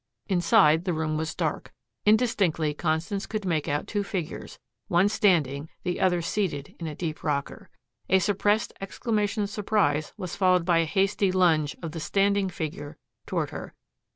Inside the room was dark. Indistinctly Constance could make out two figures, one standing, the other seated in a deep rocker. A suppressed exclamation of surprise was followed by a hasty lunge of the standing figure toward her.